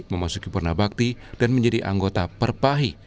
memasuki purnabakti dan menjadi anggota perpahi